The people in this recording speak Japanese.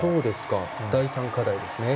第３課題ですね。